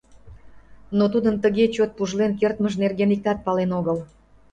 Но тудын тыге чот пужлен кертмыж нерген иктат пален огыл.